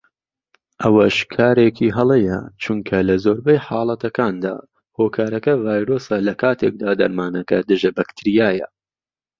ئەوەش کارێکی هەڵەیە چونکە لە زۆربەی حاڵەتەکاندا هۆکارەکە ڤایرۆسە لەکاتێکدا دەرمانەکە دژە بەکتریایە